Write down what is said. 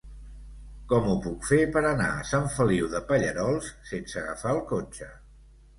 Com ho puc fer per anar a Sant Feliu de Pallerols sense agafar el cotxe?